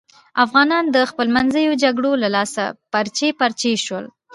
افغانان د خپلمنځیو جگړو له لاسه پارچې پارچې شول.